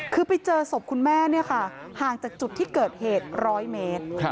คือไปเจอศพคุณแม่ห่างจากจุดที่เกิดเหตุ๑๐๐เมตร